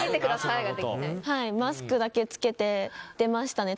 マスクだけ着けて出ましたね。